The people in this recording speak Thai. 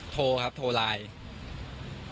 โทรครับโทรไลน์